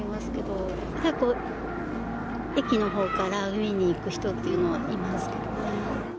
結構、駅のほうから海に行く人っていうのはいますけどね。